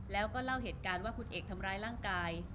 แล้วก็เล่าเหตุการณ์ว่าคุณเอกทำร้ายร่างกาย